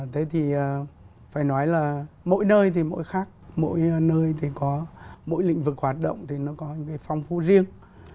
thế thì phải nói là mỗi nơi thì mỗi khác mỗi nơi thì có mỗi lĩnh vực hoạt động thì nó có những cái phong phú riêng